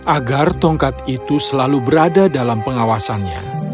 agar tongkat itu selalu berada dalam pengawasannya